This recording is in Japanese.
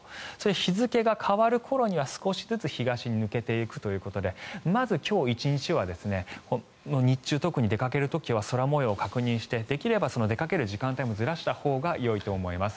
日付が変わる頃には、少しずつ東に抜けていくということでまず今日１日は日中、特に出かける時は空模様を確認してできれば出かける時間帯もずらしたほうがいいと思います。